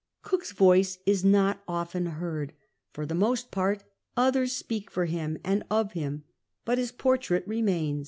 Cook's voice is not often heard ; for the most part others speak for him and of him ; but his portrait remains.